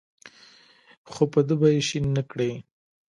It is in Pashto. خو په ده به یې شین نکړې.